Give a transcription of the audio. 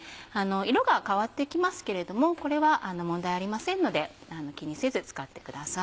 色が変わってきますけれどもこれは問題ありませんので気にせず使ってください。